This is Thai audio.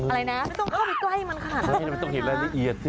ไม่ต้องเห็นรายละเอียดสิ